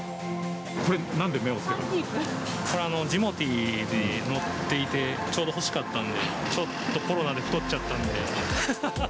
これ、これ、ジモティーに載っていて、ちょうど欲しかったんで、ちょっとコロナで太っちゃったんで。